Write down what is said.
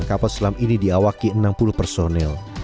kapal selam ini diawaki enam puluh personel